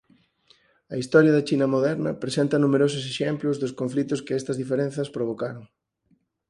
A historia da China moderna presenta numerosos exemplos dos conflitos que estas diferenzas provocaron.